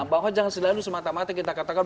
bahwa jangan selalu semata mata kita katakan